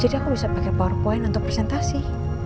jadi aku bisa pake powerpoint untuk presentasi